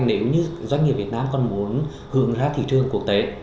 nếu như doanh nghiệp việt nam còn muốn hướng ra thị trường quốc tế